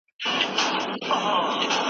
فقط دا وګورئ چې دې مجسمې د ده ژوند څنګه بدل کړ.